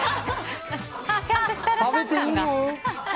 ちゃんと設楽さん感が。